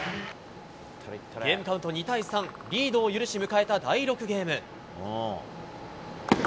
ゲームカウント２対３リードを許し迎えた第６ゲーム。